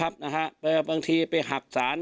บางทีไปหักศาล